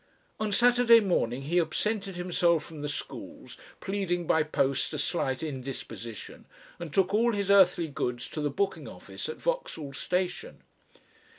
On Saturday morning he absented himself from the schools, pleading by post a slight indisposition, and took all his earthly goods to the booking office at Vauxhall Station.